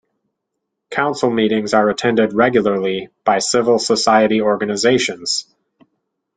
Council meetings are attended regularly by civil society organizations.